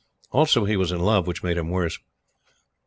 Also he was in love, which made him worse.